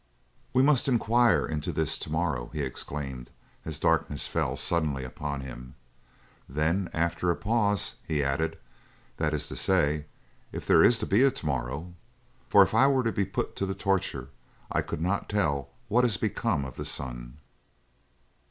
"We must inquire into this to morrow," he exclaimed, as darkness fell suddenly upon him. Then, after a pause, he added: "That is to say, if there is to be a to morrow; for if I were to be put to the torture, I could not tell what has become of the sun."